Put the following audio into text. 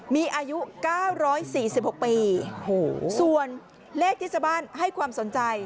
มีอายุเก้าร้อยสี่สิบหกปีส่วนเลขที่ชาวบ้านให้ความสนใจ